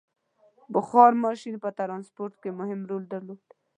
• بخار ماشین په ټرانسپورټ کې مهم رول درلود.